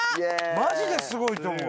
マジですごいと思う。